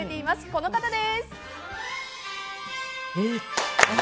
この方です！